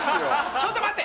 ちょっと待って！